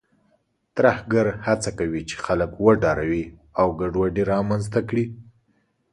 ترهګر هڅه کوي چې خلک وډاروي او ګډوډي رامنځته کړي.